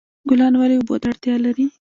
ګلان ولې اوبو ته اړتیا لري؟